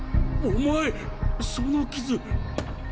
お前その傷。